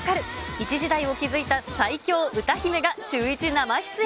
一時代を築いた最強歌姫がシューイチ生出演。